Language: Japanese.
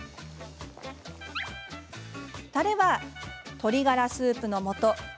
たれは、鶏ガラスープのもと